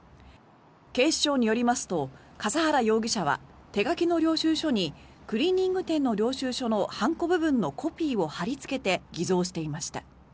警視庁によりますと笠原容疑者は手書きの領収書にクリーニング店の領収書の判子部分のコピーを貼りつけて偽造していました。